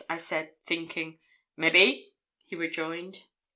I said, thinking. 'Maybe,' he rejoined.